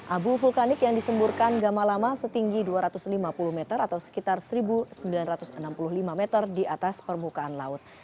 abu vulkanik yang disemburkan gamalama setinggi dua ratus lima puluh meter atau sekitar satu sembilan ratus enam puluh lima meter di atas permukaan laut